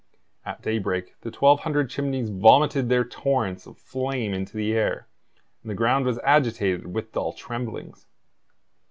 At daybreak the 1,200 chimneys vomited their torrents of flame into the air, and the ground was agitated with dull tremblings.